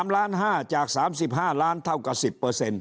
๓ล้าน๕จาก๓๕ล้านเท่ากับ๑๐